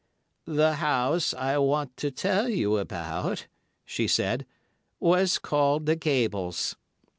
"The house I want to tell you about," she said, "was called 'The Gables.